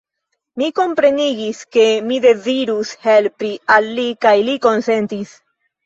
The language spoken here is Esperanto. Mi komprenigis, ke mi dezirus helpi al li kaj li konsentis.